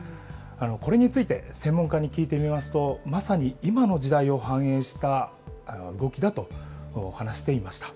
これについて専門家に聞いてみますと、まさに今の時代を反映した動きだと話していました。